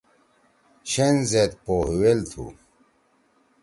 شین زید پو ہُوئل تُھو۔